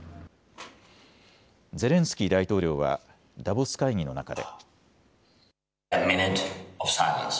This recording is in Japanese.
ゼレンスキー大統領はダボス会議の中で。